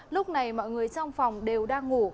lúc này mọi người trong phòng đều đang ngủ